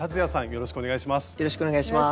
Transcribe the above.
よろしくお願いします。